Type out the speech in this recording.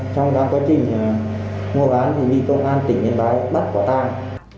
trong quá trình mua bán thì bị công an tỉnh yên bái bắt quả tang